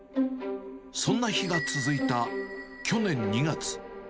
そんな日が続いた、去年２月。